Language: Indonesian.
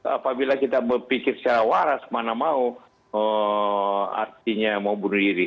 apabila kita berpikir secara waras mana mau artinya mau bunuh diri